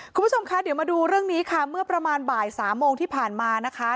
คุณผู้ชมคะเดี๋ยวมาดูเรื่องนี้ค่ะเมื่อประมาณบ่ายสามโมงที่ผ่านมานะคะ